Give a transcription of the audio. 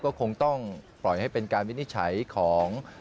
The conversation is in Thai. ก็คงต้องปล่อยให้เป็นการวินิจฉัยของ